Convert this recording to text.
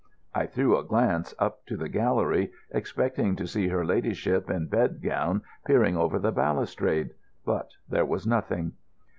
I threw a glance up to the gallery, expecting to see her ladyship in bed gown peering over the balustrade. But there was nothing.